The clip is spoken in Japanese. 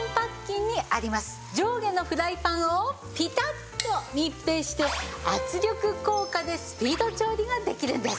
上下のフライパンをピタッと密閉して圧力効果でスピード調理ができるんです。